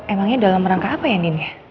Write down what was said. emangnya dalam rangka apa ya din